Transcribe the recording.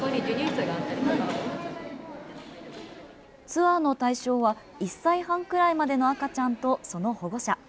ツアーの対象は１歳半ぐらいまでの赤ちゃんとその保護者。